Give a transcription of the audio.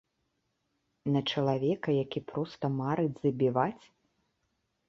На чалавека, які проста марыць забіваць?